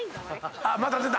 あっまた出た。